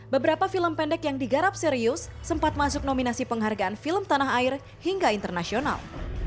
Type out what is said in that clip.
beberapa film pendek yang digarap serius sempat masuk nominasi penghargaan film tanah air hingga internasional